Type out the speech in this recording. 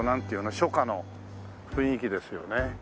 初夏の雰囲気ですよね。